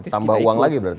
tambah uang lagi berarti